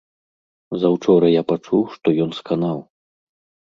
Заўчора я пачуў, што ён сканаў.